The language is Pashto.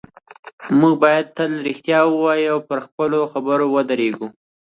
موږ باید تل رښتیا ووایو او پر خپلو خبرو ودرېږو